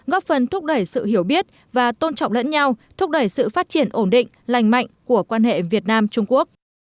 góp phần thúc đẩy sự hiểu biết và tôn trọng lẫn nhau thúc đẩy sự phát triển ổn định lành mạnh của quan hệ việt nam trung quốc